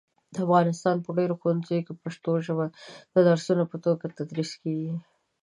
د افغانستان په ډېری ښوونځیو کې پښتو ژبه د درسونو په توګه تدریس کېږي.